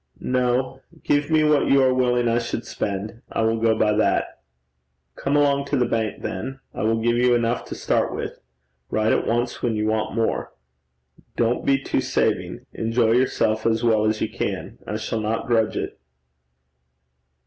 'No. Give me what you are willing I should spend: I will go by that.' 'Come along to the bank then. I will give you enough to start with. Write at once when you want more. Don't be too saving. Enjoy yourself as well as you can. I shall not grudge it.'